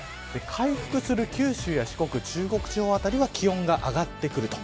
回復する九州、中国辺りは気温が上がってくると。